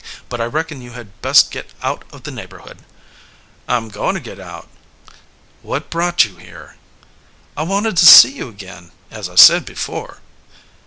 But I reckon you had best get out of the neighborhood." "I'm going to get out." "What brought you here?" "I wanted to see you again, as I said before."